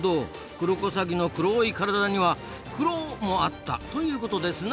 クロコサギの黒い体にはクロもあったということですな。